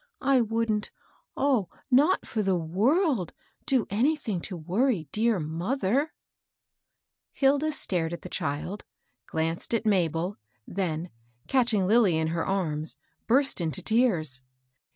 I wouldn't, oh, not for the world 1 do anything to worry dear mother." 60 MABEL ROSS. Hilda stared at the child, glanced at Mabel, then, catching Lillj in her arms, burst into tears.